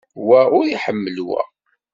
Wa ur iḥemmel wa.